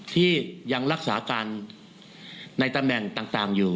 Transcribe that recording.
ที่ยังรักษาการในตำแหน่งต่างอยู่